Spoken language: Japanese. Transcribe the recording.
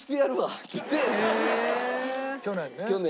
去年ね。